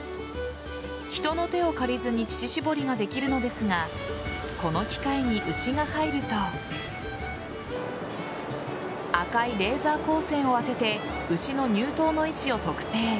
人の手を借りずに乳搾りができるのですがこの機械に牛が入ると赤いレーザー光線を当てて牛の乳頭の位置を特定。